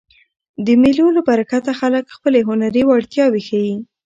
د مېلو له برکته خلک خپلي هنري وړتیاوي ښيي.